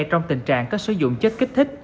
trong tình trạng có sử dụng chất kích thích